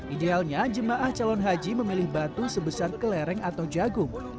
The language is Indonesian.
idealnya jemaah calon haji memilih batu sebesar kelereng atau jagung